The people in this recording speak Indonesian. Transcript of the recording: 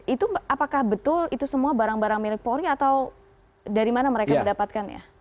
itu apakah betul itu semua barang barang milik polri atau dari mana mereka mendapatkannya